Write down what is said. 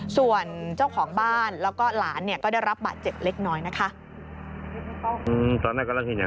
ส่วนเจ้าของบ้านแล้วก็หลานเนี่ยก็ได้รับบาดเจ็บเล็กน้อยนะคะ